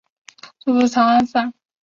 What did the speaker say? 祖父曹安善。